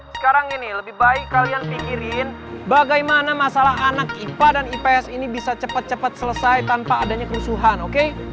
sekarang gini lebih baik kalian pikirin bagaimana masalah anak ipa dan ipah s ini bisa cepet cepet selesai tanpa adanya kerusuhan oke